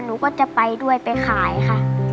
หนูก็จะไปด้วยไปขายค่ะ